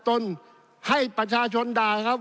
ท่านประธานที่ขอรับครับ